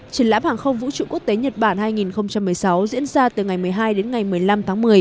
triển lãm hàng không vũ trụ quốc tế nhật bản hai nghìn một mươi sáu diễn ra từ ngày một mươi hai đến ngày một mươi năm tháng một mươi